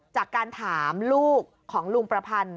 จากการถามลูกของลุงประพันธ์